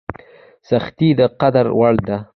سختۍ د قدر وړ دي.